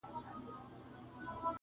عشق مي ژبه را ګونګۍ کړه.